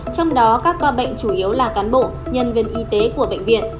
trong đó các ca bệnh chủ yếu là cán bộ nhân viên y tế của bệnh viện